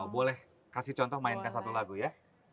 boleh kasih contoh mainkan satu lagu ya